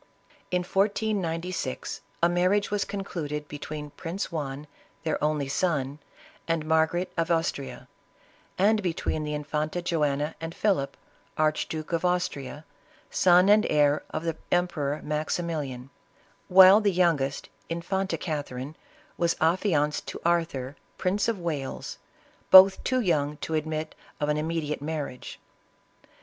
In 1496, a marriage was concluded between Prince Juan, their only son, and Margarite of Austria, and between the infanta Joanna and Philip, Archduke of Austria, son and heir of the Emperor Maximilian; while the young est, infanta Catherine, was affianced to Arthur, Prince of "Wales, both too young to admit of an immediate marriage.